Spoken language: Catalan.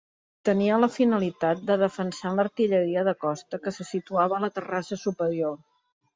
Tenia la finalitat de defensar l'artilleria de costa que se situava a la terrassa superior.